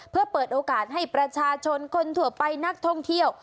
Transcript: เพื่อเปิดโอกาสให้ประชาชนคนทั่วไปนักท่องเที่ยว